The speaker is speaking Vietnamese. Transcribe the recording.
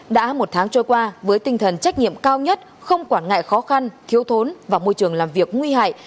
đã một tháng trôi qua với tinh thần trách nhiệm cao nhất không quản ngại khó khăn thiếu thốn và môi trường làm việc nguy hại